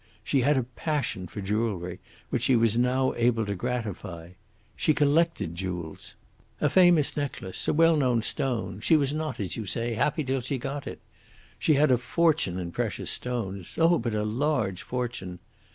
She had a passion for jewellery, which she was now able to gratify. She collected jewels. A famous necklace, a well known stone she was not, as you say, happy till she got it. She had a fortune in precious stones oh, but a large fortune!